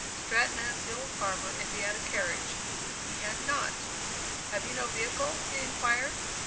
Stratton asked the old farmer if he had a carriage. He had not. "Have you no vehicle?" he inquired.